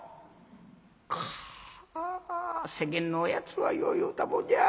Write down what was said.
かあ世間のやつはよう言うたもんじゃ。